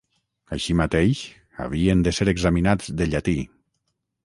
Així mateix havien de ser examinats de llatí.